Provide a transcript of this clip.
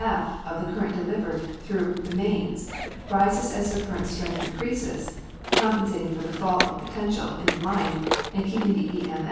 f. of the current delivered through the mains rises as the current strength increases, compen sating for the fall of potential in the line and keeping the e.m.